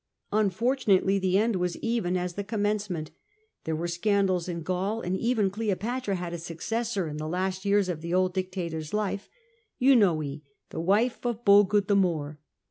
Unfortunately the end was even as the com mencement; there wei e scandals in Gaul, and even Cleopatra had a successor in the last years of the old dictator's life — Eunoe, the wife of Bogud the Moor.